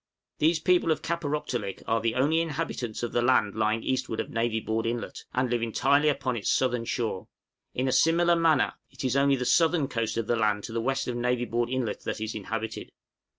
These people of Kaparōktolik are the only inhabitants of the land lying eastward of Navy Board Inlet, and live entirely upon its southern shore. In a similar manner, it is only the southern coast of the land to the west of Navy Board Inlet that is inhabited.